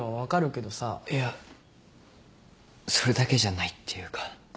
いやそれだけじゃないっていうか。